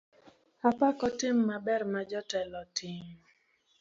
Apako tim maber ma jatelo otimo.